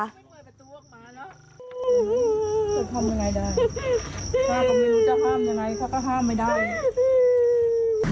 ข้ากับนิวจะห้ามอย่างไรเค้าก็ห้ามไม่ได้